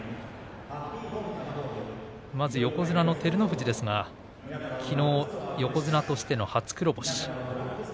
まず横綱の照ノ富士ですがきのう横綱としての初黒星。